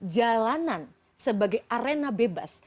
jalanan sebagai arena bebas